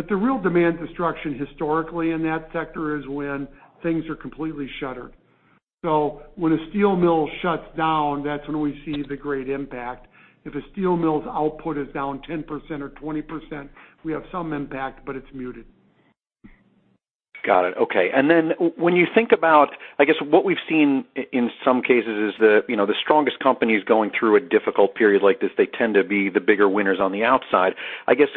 The real demand destruction historically in that sector is when things are completely shuttered. When a steel mill shuts down, that's when we see the great impact. If a steel mill's output is down 10% or 20%, we have some impact, but it's muted. Got it. Okay. When you think about, I guess what we've seen in some cases is the strongest companies going through a difficult period like this, they tend to be the bigger winners on the outside. I guess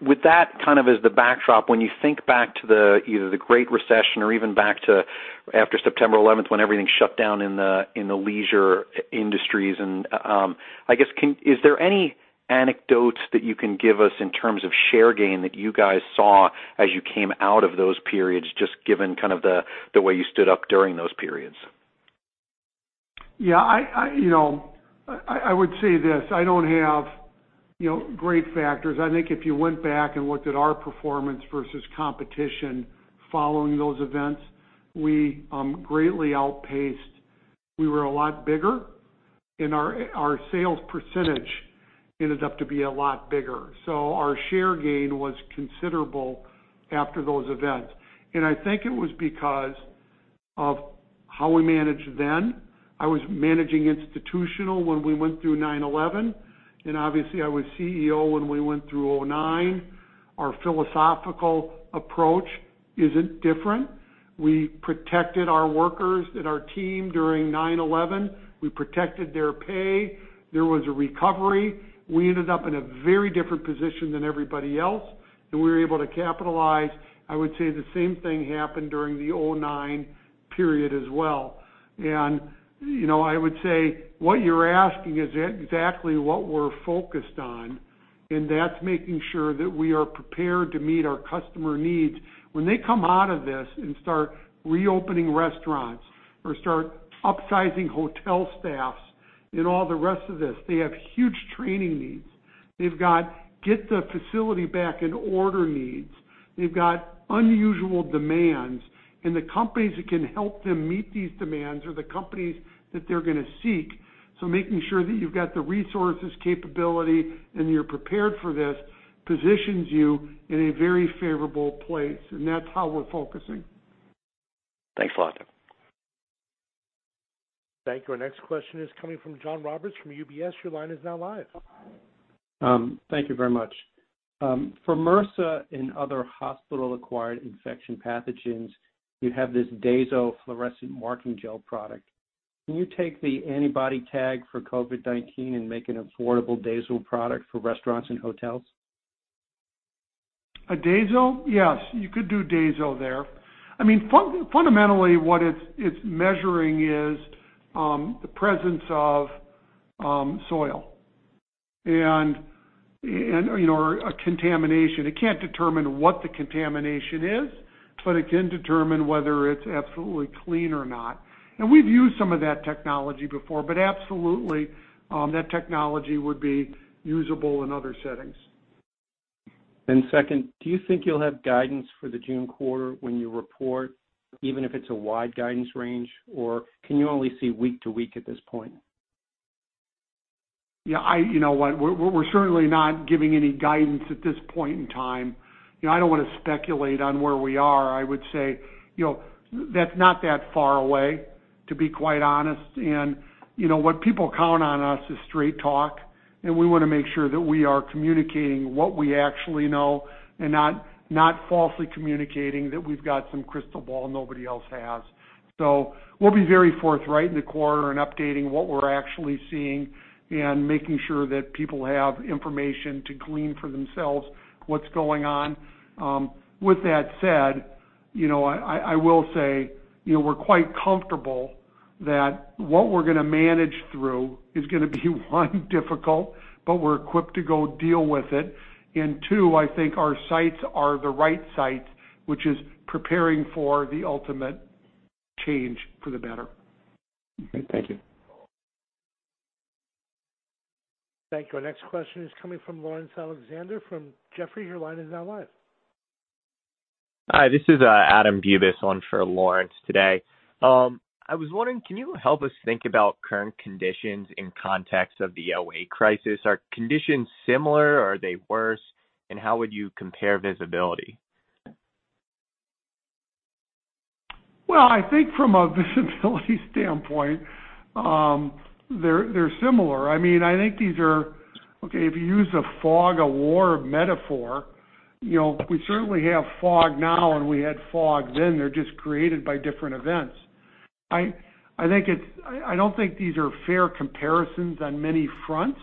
with that kind of as the backdrop, when you think back to either the Great Recession or even back to after September 11th when everything shut down in the leisure industries, is there any anecdotes that you can give us in terms of share gain that you guys saw as you came out of those periods, just given kind of the way you stood up during those periods? I would say this. I don't have great factors. I think if you went back and looked at our performance versus competition following those events, we greatly outpaced. We were a lot bigger, and our sales percentage ended up to be a lot bigger. Our share gain was considerable after those events. I think it was because of how we managed then. I was managing institutional when we went through 9/11, and obviously, I was CEO when we went through 2009. Our philosophical approach isn't different. We protected our workers and our team during 9/11. We protected their pay. There was a recovery. We ended up in a very different position than everybody else, and we were able to capitalize. I would say the same thing happened during the 2009 period as well. I would say what you're asking is exactly what we're focused on, and that's making sure that we are prepared to meet our customer needs. When they come out of this and start reopening restaurants or start upsizing hotel staffs and all the rest of this, they have huge training needs. They've got get the facility back in order needs. They've got unusual demands, and the companies that can help them meet these demands are the companies that they're going to seek. Making sure that you've got the resources, capability, and you're prepared for this, positions you in a very favorable place, and that's how we're focusing. Thanks a lot. Thank you. Our next question is coming from John Roberts from UBS. Your line is now live. Thank you very much. For MRSA and other hospital-acquired infection pathogens, you have this DAZO fluorescent marking gel product. Can you take the antibody tag for COVID-19 and make an affordable DAZO product for restaurants and hotels? A DAZO? Yes, you could do DAZO there. Fundamentally, what it's measuring is the presence of soil or a contamination. It can't determine what the contamination is, but it can determine whether it's absolutely clean or not. We've used some of that technology before. Absolutely, that technology would be usable in other settings. Second, do you think you'll have guidance for the June quarter when you report, even if it's a wide guidance range, or can you only see week to week at this point? You know what? We're certainly not giving any guidance at this point in time. I don't want to speculate on where we are. I would say, that's not that far away, to be quite honest. What people count on us is straight talk, and we want to make sure that we are communicating what we actually know and not falsely communicating that we've got some crystal ball nobody else has. We'll be very forthright in the quarter in updating what we're actually seeing and making sure that people have information to glean for themselves what's going on. With that said, I will say, we're quite comfortable that what we're going to manage through is going to be, one, difficult, but we're equipped to go deal with it. Two, I think our sights are the right sights, which is preparing for the ultimate change for the better. Okay. Thank you. Thank you. Our next question is coming from Laurence Alexander from Jefferies. Your line is now live. Hi, this is Adam Bubes on for Laurence today. I was wondering, can you help us think about current conditions in context of the 2008 crisis? Are conditions similar or are they worse, and how would you compare visibility? Well, I think from a visibility standpoint, they're similar. I think okay, if you use a fog of war metaphor, we certainly have fog now, and we had fog then. They're just created by different events. I don't think these are fair comparisons on many fronts.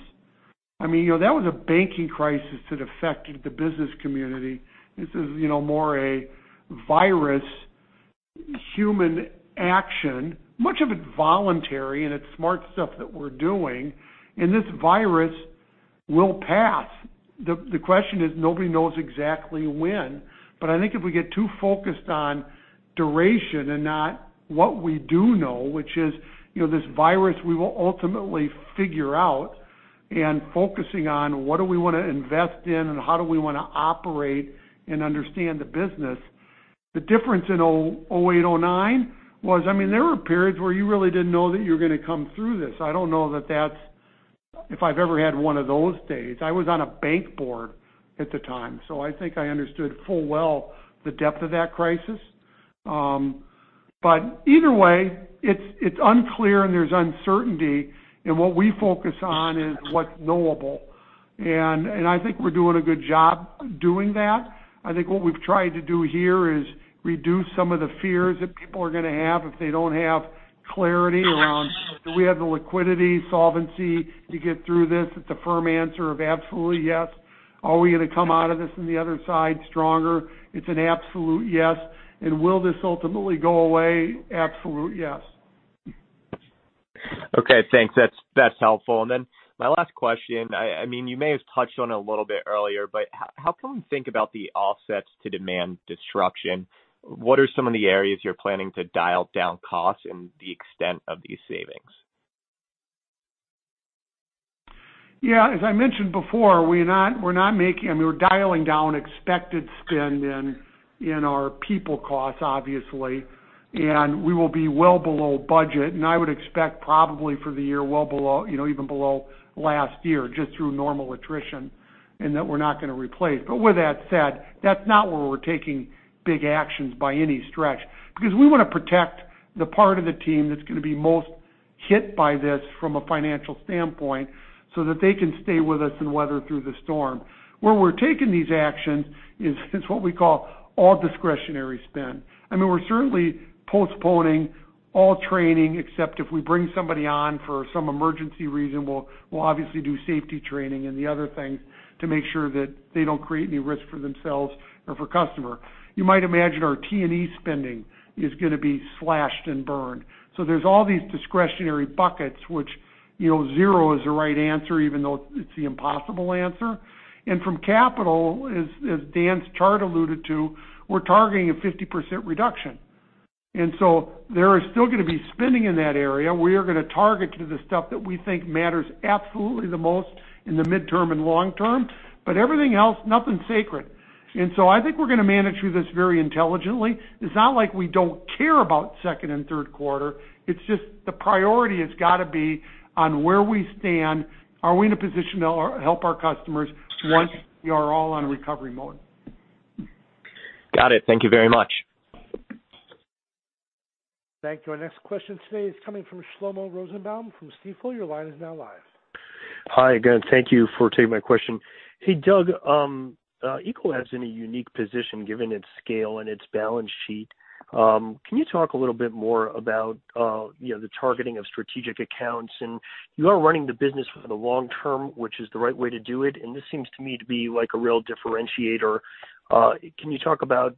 That was a banking crisis that affected the business community. This is more a virus, human action, much of it voluntary, and it's smart stuff that we're doing. This virus will pass. The question is, nobody knows exactly when. I think if we get too focused on duration and not what we do know, which is, this virus we will ultimately figure out, and focusing on what do we want to invest in and how do we want to operate and understand the business. The difference in 2008, 2009 was, there were periods where you really didn't know that you were going to come through this. I don't know if I've ever had one of those days. I was on a bank board at the time, so I think I understood full well the depth of that crisis. Either way, it's unclear and there's uncertainty, and what we focus on is what's knowable. I think we're doing a good job doing that. I think what we've tried to do here is reduce some of the fears that people are going to have if they don't have clarity around, "Do we have the liquidity, solvency to get through this?" It's a firm answer of absolutely yes. Are we going to come out of this on the other side stronger? It's an absolute yes. Will this ultimately go away? Absolute yes. Okay, thanks. That's helpful. My last question, you may have touched on it a little bit earlier, but how can we think about the offsets to demand destruction? What are some of the areas you're planning to dial down costs and the extent of these savings? Yeah, as I mentioned before, we're dialing down expected spend in our people costs, obviously. We will be well below budget, and I would expect probably for the year, even below last year, just through normal attrition, and that we're not going to replace. With that said, that's not where we're taking big actions by any stretch. We want to protect the part of the team that's going to be most hit by this from a financial standpoint so that they can stay with us and weather through the storm. Where we're taking these actions is what we call all discretionary spend. We're certainly postponing all training, except if we bring somebody on for some emergency reason, we'll obviously do safety training and the other things to make sure that they don't create any risk for themselves or for customer. You might imagine our T&E spending is going to be slashed and burned. There's all these discretionary buckets which zero is the right answer even though it's the impossible answer. From capital, as Dan's chart alluded to, we're targeting a 50% reduction. There is still going to be spending in that area. We are going to target to the stuff that we think matters absolutely the most in the midterm and long term. Everything else, nothing's sacred. I think we're going to manage through this very intelligently. It's not like we don't care about second and third quarter. It's just the priority has got to be on where we stand. Are we in a position to help our customers once we are all on recovery mode? Got it. Thank you very much. Thank you. Our next question today is coming from Shlomo Rosenbaum from Stifel. Your line is now live. Hi again. Thank you for taking my question. Hey, Doug. Ecolab's in a unique position given its scale and its balance sheet. Can you talk a little bit more about the targeting of strategic accounts? You are running the business for the long term, which is the right way to do it, and this seems to me to be like a real differentiator. Can you talk about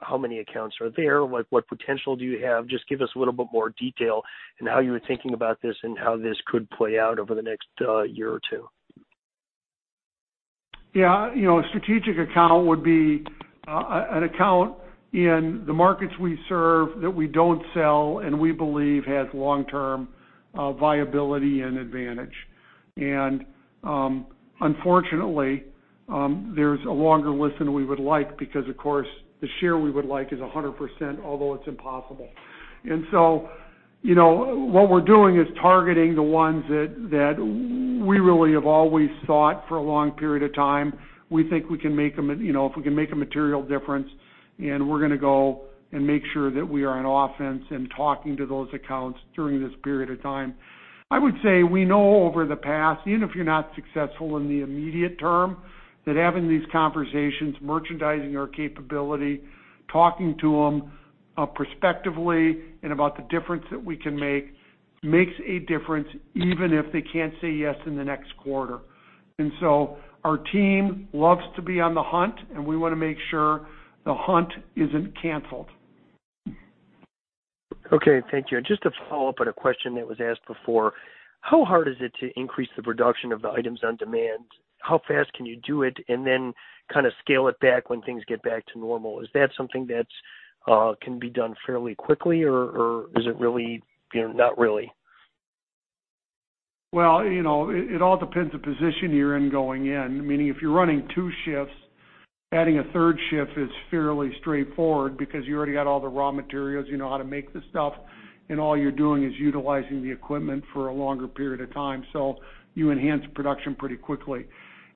how many accounts are there? What potential do you have? Just give us a little bit more detail in how you were thinking about this and how this could play out over the next year or two. Yeah. A strategic account would be an account in the markets we serve that we don't sell and we believe has long-term viability and advantage. Unfortunately, there's a longer list than we would like because, of course, the share we would like is 100%, although it's impossible. So, what we're doing is targeting the ones that we really have always thought for a long period of time. We think if we can make a material difference, and we're going to go and make sure that we are on offense and talking to those accounts during this period of time. I would say we know over the past, even if you're not successful in the immediate term, that having these conversations, merchandising our capability, talking to them perspectively and about the difference that we can make, makes a difference even if they can't say yes in the next quarter. Our team loves to be on the hunt, and we want to make sure the hunt isn't canceled. Okay. Thank you. Just to follow up on a question that was asked before, how hard is it to increase the production of the items on demand? How fast can you do it and then kind of scale it back when things get back to normal? Is that something that can be done fairly quickly, or is it really not really? It all depends the position you're in going in. Meaning, if you're running two shifts, adding a third shift is fairly straightforward because you already got all the raw materials. You know how to make the stuff, and all you're doing is utilizing the equipment for a longer period of time. You enhance production pretty quickly.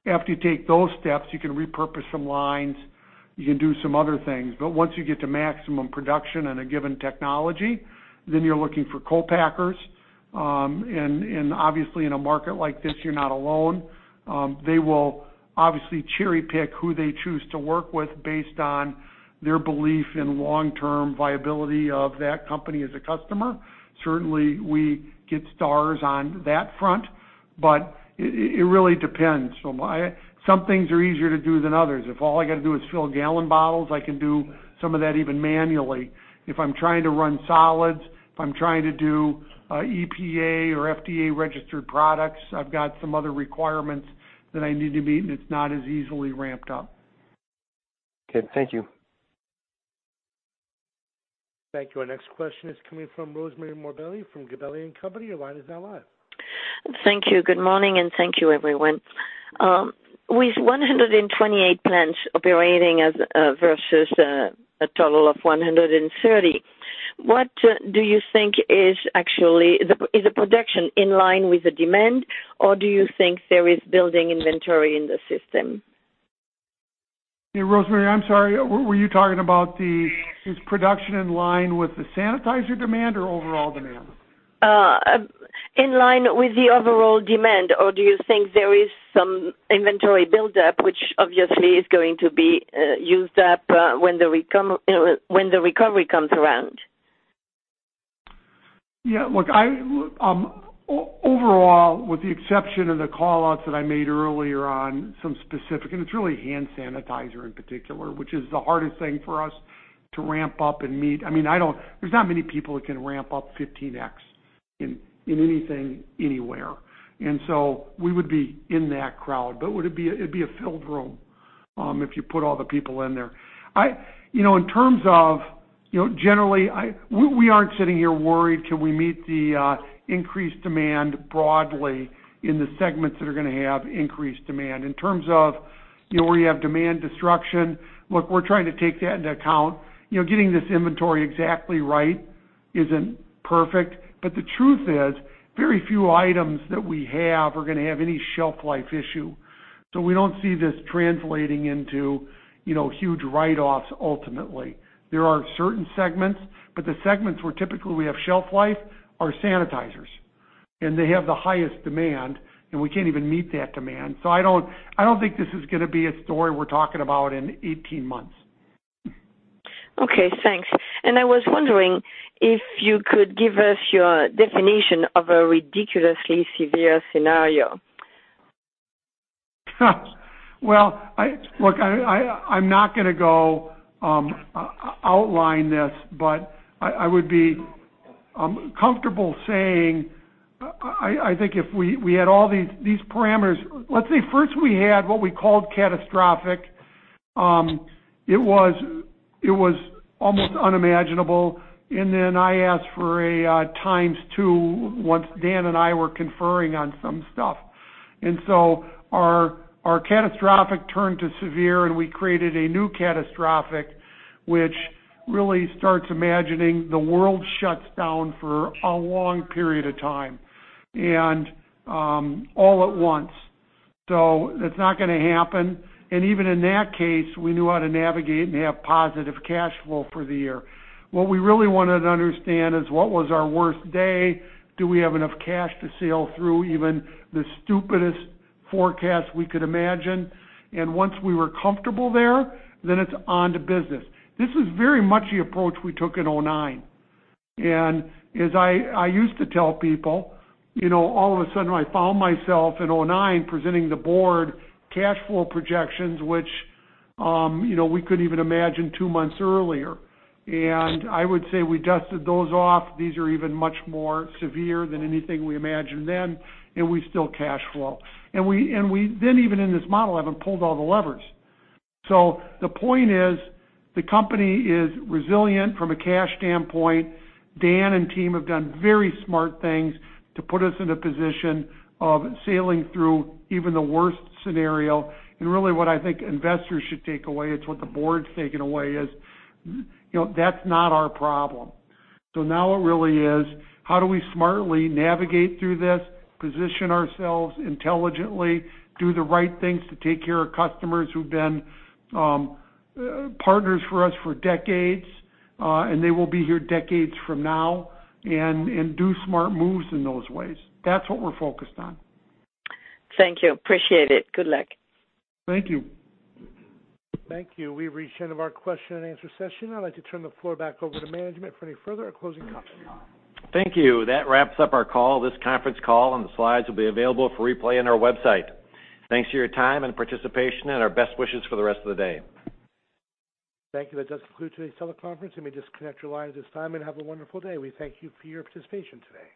After you take those steps, you can repurpose some lines, you can do some other things. Once you get to maximum production in a given technology, then you're looking for co-packers. Obviously, in a market like this, you're not alone. They will obviously cherry-pick who they choose to work with based on their belief in long-term viability of that company as a customer. Certainly, we get stars on that front, but it really depends. Some things are easier to do than others. If all I got to do is fill gallon bottles, I can do some of that even manually. If I'm trying to run solids, if I'm trying to do EPA or FDA-registered products, I've got some other requirements that I need to meet, and it's not as easily ramped up. Okay. Thank you. Thank you. Our next question is coming from Rosemarie Morbelli from Gabelli & Company. Your line is now live. Thank you. Good morning, and thank you, everyone. With 128 plants operating versus a total of 130, what do you think is actually the production in line with the demand, or do you think there is building inventory in the system? Yeah, Rosemarie, I'm sorry. Were you talking about is production in line with the sanitizer demand or overall demand? In line with the overall demand, or do you think there is some inventory buildup, which obviously is going to be used up when the recovery comes around? Yeah, look, overall, with the exception of the call-outs that I made earlier on some specific, and it's really hand sanitizer in particular, which is the hardest thing for us to ramp up and meet. There's not many people that can ramp up 15x in anything, anywhere. We would be in that crowd. It'd be a filled room, if you put all the people in there. In terms of, generally, we aren't sitting here worried can we meet the increased demand broadly in the segments that are going to have increased demand. In terms of where you have demand destruction, look, we're trying to take that into account. Getting this inventory exactly right isn't perfect. The truth is, very few items that we have are going to have any shelf life issue. We don't see this translating into huge write-offs ultimately. There are certain segments. The segments where typically we have shelf life are sanitizers, and they have the highest demand, and we can't even meet that demand. I don't think this is going to be a story we're talking about in 18 months. Okay, thanks. I was wondering if you could give us your definition of a ridiculously severe scenario? Well, look, I'm not going to go outline this, but I would be comfortable saying, I think if we had all these parameters. Let's say, first, we had what we called catastrophic. It was almost unimaginable. I asked for a times two once Dan and I were conferring on some stuff. Our catastrophic turned to severe, and we created a new catastrophic, which really starts imagining the world shuts down for a long period of time and all at once. That's not going to happen. Even in that case, we knew how to navigate and have positive cash flow for the year. What we really wanted to understand is what was our worst day? Do we have enough cash to sail through even the stupidest forecast we could imagine? Once we were comfortable there, then it's on to business. This is very much the approach we took in 2009. As I used to tell people, all of a sudden, I found myself in 2009 presenting the board cash flow projections, which we couldn't even imagine two months earlier. I would say we dusted those off. These are even much more severe than anything we imagined then, and we still cash flow. We then, even in this model, haven't pulled all the levers. The point is, the company is resilient from a cash standpoint. Dan and team have done very smart things to put us in a position of sailing through even the worst scenario. Really, what I think investors should take away, it's what the board's taken away is, that's not our problem. Now it really is how do we smartly navigate through this, position ourselves intelligently, do the right things to take care of customers who've been partners for us for decades, and they will be here decades from now, and do smart moves in those ways. That's what we're focused on. Thank you. Appreciate it. Good luck. Thank you. Thank you. We've reached the end of our question and answer session. I'd like to turn the floor back over to management for any further or closing comments. Thank you. That wraps up our call. This conference call and the slides will be available for replay on our website. Thanks for your time and participation, and our best wishes for the rest of the day. Thank you. That does conclude today's teleconference. You may disconnect your lines at this time, and have a wonderful day. We thank you for your participation today.